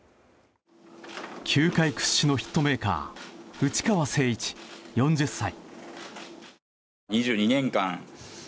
球界屈指のヒットメーカー内川聖一、４０歳。